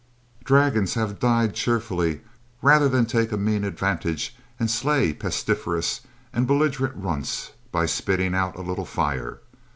Dragons have died cheerfully rather than take a mean advantage and slay pestiferous and belligerent runts by spitting out a little fire.